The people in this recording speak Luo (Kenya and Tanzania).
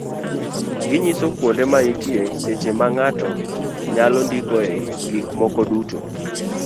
ginyiso kuonde ma nitie seche ma ng'ato nyalo ndikoe gik moko duto.